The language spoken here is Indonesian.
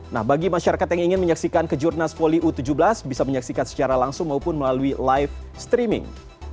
nah bagi masyarakat yang ingin menyaksikan kejurnas poli u tujuh belas bisa menyaksikan secara langsung maupun melalui live streaming